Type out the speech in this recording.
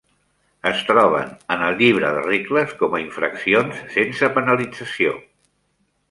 Es troben en el llibre de regles com a infraccions sense penalització.